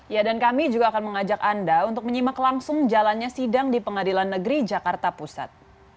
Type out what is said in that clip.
ya dan kami juga akan mengajak anda untuk menyimak langsung jalannya sidang di pengadilan negeri jakarta pusat